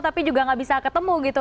tapi juga nggak bisa ketemu gitu